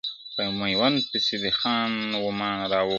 په میوند پسې دې خان و مان را ووت .